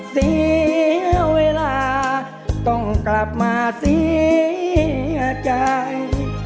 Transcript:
เสียเวลาต้องกลับมาเสียใจ